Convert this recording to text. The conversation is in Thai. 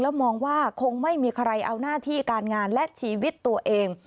มองว่าคงไม่มีใครเอาหน้าที่การงานและชีวิตตัวเอง